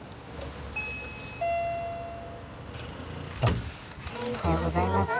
おはようございます。